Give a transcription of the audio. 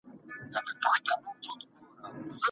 له بې ځايه قرضونو کولو څخه بايد ډډه وکړئ.